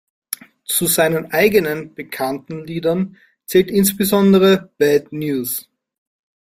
Zu seinen eigenen, bekannten Liedern zählt insbesondere "Bad News".